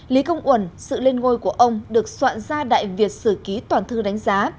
lý công uẩn sự lên ngôi của ông được soạn ra đại việt sử ký toàn thư đánh giá